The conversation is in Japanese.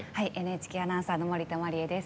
ＮＨＫアナウンサーの森田茉里恵です。